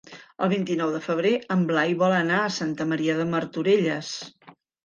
El vint-i-nou de febrer en Blai vol anar a Santa Maria de Martorelles.